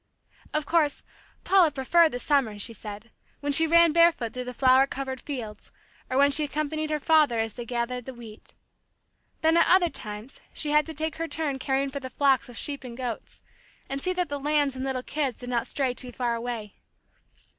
Of course, Paula preferred the summer, she said, when she ran barefoot through the flower covered fields or when she accompanied her father as they gathered the wheat. Then at other times she had to take her turn caring for the flocks of sheep and goats, and see that the lambs and little kids did not stray too far away.